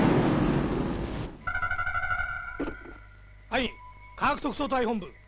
☎はい科学特捜隊本部。